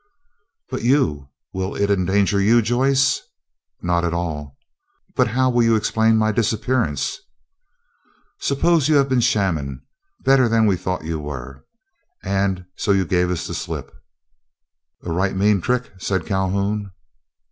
"But you—will it endanger you, Joyce?" "Not at all!" "But how will you explain my disappearance?" "Suppose you have been shamming, better than we thought you were, and so you gave us the slip." "A right mean trick," said Calhoun.